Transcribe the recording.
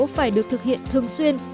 phải được thực hiện thường xuyên